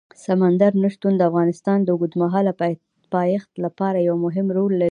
سمندر نه شتون د افغانستان د اوږدمهاله پایښت لپاره یو مهم رول لري.